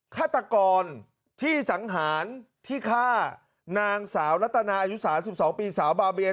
ฆาตกรที่สังหารที่ฆ่านางสาวรัตนาอายุ๓๒ปีสาวบาเบีย